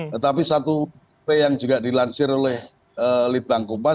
tetapi satu yang juga dilansir oleh litbang kumpas